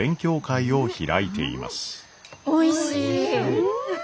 おいしい。